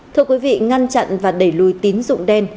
thưa quý vị ngăn chặn và đẩy lùi tín dụng đen